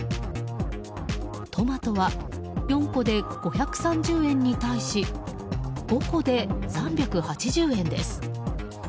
トマトは、４個で５３０円に対し５個で３８０円です。